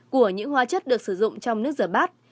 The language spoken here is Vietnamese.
của những hóa chất được sử dụng trong nước rửa bát